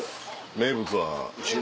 名物は？